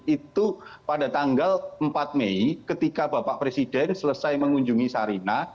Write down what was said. itu pada tanggal empat mei ketika bapak presiden selesai mengunjungi sarina